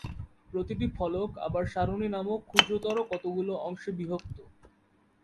প্রতিটি ফলক আবার সারণি নামক ক্ষুদ্রতর কতগুলো অংশে বিভক্ত।